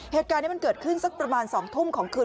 เหตุการณ์นี้มันเกิดขึ้นสักประมาณ๒ทุ่มของคืน